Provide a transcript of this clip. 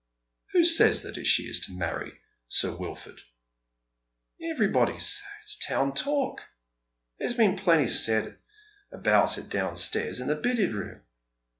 ♦' Who says that she is to be married to Sir Wilford ?"" Everybody, sir, it's town talk. There's been plenty said about it downstairs in the billiard room.